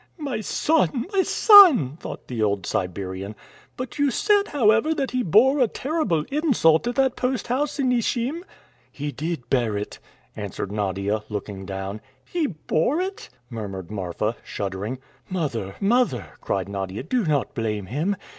"My son, my son!" thought the old Siberian. "But you said, however, that he bore a terrible insult at that post house in Ichim?" "He did bear it," answered Nadia, looking down. "He bore it!" murmured Marfa, shuddering. "Mother, mother," cried Nadia, "do not blame him!